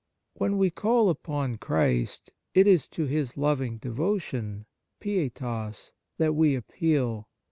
When we call upon Christ, it is to His loving devotion (pietas) that we appeal.